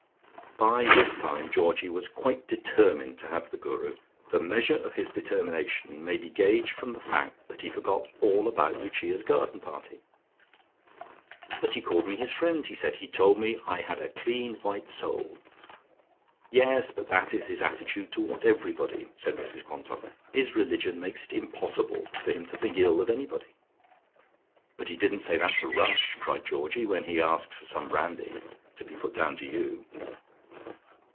By this time Georgie was quite determined to have the Guru. The measure of his determination may be gauged from the fact that he forgot all about Lucia's garden party. "But he called me his friend," he said. "He told me I had a clean white soul." "Yes; but that is his attitude towards everybody," said Mrs Quantock. "His religion makes it impossible for him to think ill of anybody." "But he didn't say that to Rush," cried Georgie, "when he asked for some brandy, to be put down to you."